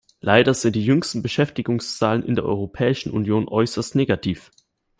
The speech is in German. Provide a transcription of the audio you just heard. Leider sind die jüngsten Beschäftigungszahlen in der Europäischen Union äußerst negativ.